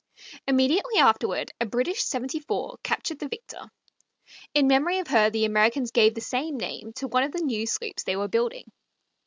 Immediately afterward a British seventy four captured the victor. In memory of her the Americans gave the same name to one of the new sloops they were building.